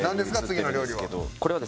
次の料理は。